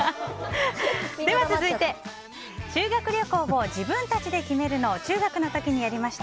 続いて、修学旅行を自分たちで決めるのを中学の時にやりました。